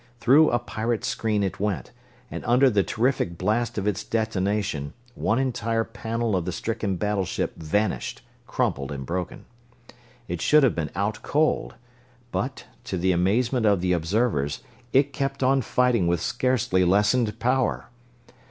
Through a pirate screen it went, and under the terrific blast of its detonation one entire panel of the stricken battleship vanished, crumpled and broken. It should have been out, cold but, to the amazement of the observers, it kept on fighting with scarcely lessened power!